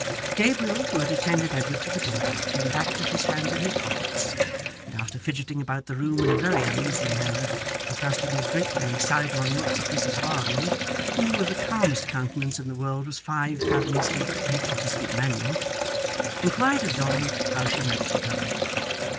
Gabriel, who had attended Edward to the door, came back with his hands in his pockets; and, after fidgeting about the room in a very uneasy manner, and casting a great many sidelong looks at Mrs Varden (who with the calmest countenance in the world was five fathoms deep in the Protestant Manual), inquired of Dolly how she meant to go.